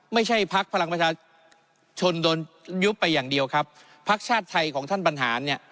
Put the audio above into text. พักพลังประชาชนโดนยุบไปอย่างเดียวครับพักชาติไทยของท่านบรรหารเนี่ย